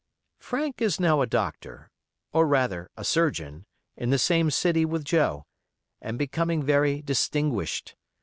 Frank is now a doctor, or rather a surgeon, in the same city with Joe, and becoming very distinguished.